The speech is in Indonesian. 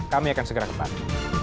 kami akan segera kembali